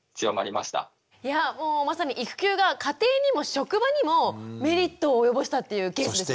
いやもうまさに育休が家庭にも職場にもメリットを及ぼしたっていうケースですね。